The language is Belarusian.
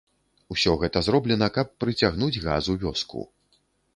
Усё гэта зроблена, каб прыцягнуць газ у вёску.